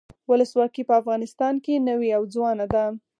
ولسواکي په افغانستان کې نوي او ځوانه ده.